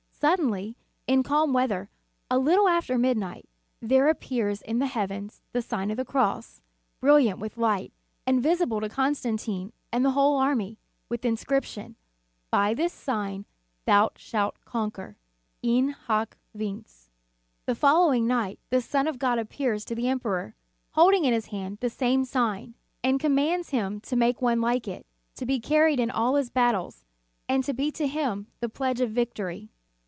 Sud denly, in calm weather, a little after mid day, there appears in the heavens the Sign of the Cross, brilliant with light, and visible to Constantine and the whole army, with the inscription : By this sign thou shalt con quer : In hoc vince. The following night, the Son of God appears to the emperor, holding in His hand the same sign, and commands him In the Nineteenth Century. 327 to make one Kke it, to be carried in all his battles, and to be to him the pledge of victory.